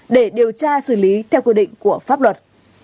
để điều tra xử lý theo quy định của pháp luật